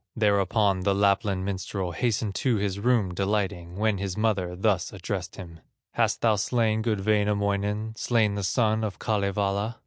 Thereupon the Lapland minstrel Hastened to his room delighting, When his mother thus addressed him "Hast thou slain good Wainamoinen, Slain the son of Kalevala?"